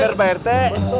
betul pak rete